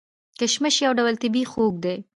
کشمش یو ډول طبیعي خوږ دی.